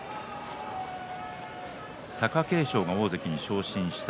貴景勝が大関に昇進した